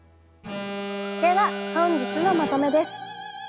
では本日のまとめです。